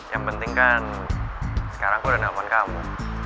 yang penting kan sekarang aku udah nelpon kamu